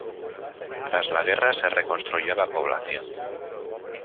Tras la guerra se reconstruyó la población.